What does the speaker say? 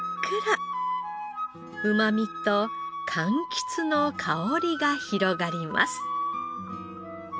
うまみと柑橘の香りが広がります。